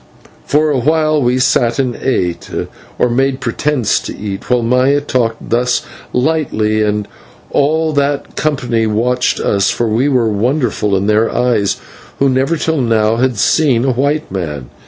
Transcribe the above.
For a while we sat and ate, or made pretence to eat, while Maya talked thus lightly and all that company watched us, for we were wonderful in their eyes, who never till now had seen a white man.